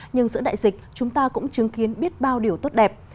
nhưng giữa đại dịch chúng ta cũng chứng kiến biết bao điều tốt đẹp